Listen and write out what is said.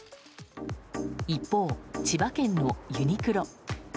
一方、千葉県のユニクロ。